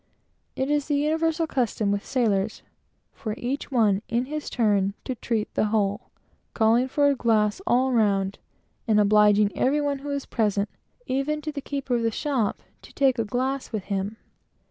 It is the universal custom with sailors for each one, in his turn, to treat the whole, calling for a glass all round, and obliging every one who is present, even the keeper of the shop, to take a glass with him.